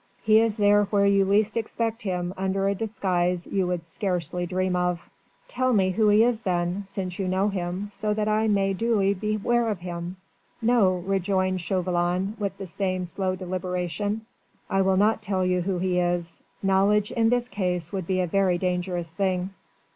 He is there where you least expect him under a disguise you would scarcely dream of." "Tell me who he is then since you know him so that I may duly beware of him." "No," rejoined Chauvelin with the same slow deliberation, "I will not tell you who he is. Knowledge in this case would be a very dangerous thing."